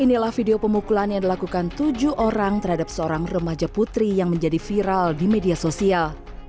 inilah video pemukulan yang dilakukan tujuh orang terhadap seorang remaja putri yang menjadi viral di media sosial